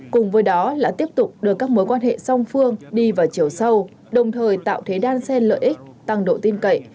cùng với đó là tiếp tục đưa các mối quan hệ song phương đi vào chiều sâu đồng thời tạo thế đan xen lợi ích tăng độ tin cậy